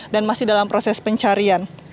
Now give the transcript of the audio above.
dan masih dalam proses pencarian